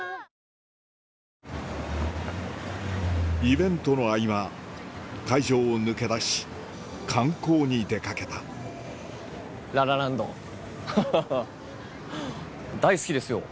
イベントの合間会場を抜け出し観光に出掛けたハハハ。